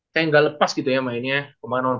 kayak gak lepas gitu ya mainnya kemana mana